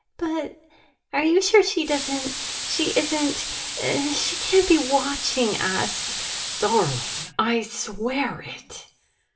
"But are you sure she doesn't she isn't she can't be watching us?" "Darling, I swear it!"